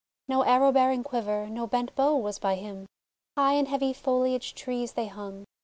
No arrow bearing quiver, no bent bow Was by him. High in heavy foliaged trees They hung.